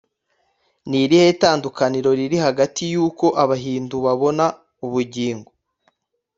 ni irihe tandukaniro riri hagati y’uko abahindu babona ubugingo